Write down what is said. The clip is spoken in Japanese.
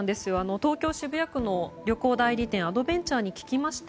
東京・渋谷区の旅行代理店アドベンチャーに聞きました。